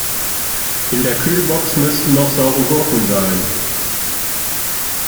In der Kühlbox müssten noch saure Gurken sein.